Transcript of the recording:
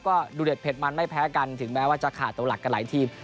ก็ดูเด็ดเด็ดมันไม่แพ้กันถึงแม้ว่าจะขาดตัวหลักกันหลายทีม